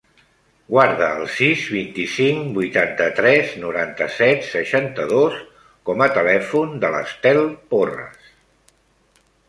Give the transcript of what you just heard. Guarda el sis, vint-i-cinc, vuitanta-tres, noranta-set, seixanta-dos com a telèfon de l'Estel Porras.